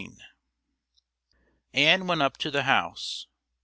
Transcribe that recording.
Ann went up to the house.